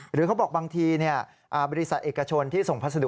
หรือเขาบอกบางทีบริษัทเอกชนที่ส่งพัสดุ